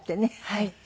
はい。